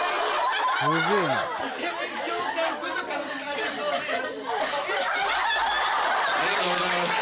ありがとうございます。